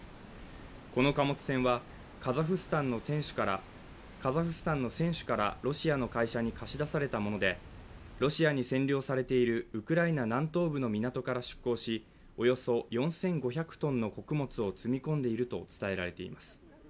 この貨物船は、カザフスタンの船主からロシアの会社に貸し出されたもので、ロシアに占領されているウクライナ南東部の港から出港し、およそ４５００ｔの穀物を積み込んでいると伝えられています。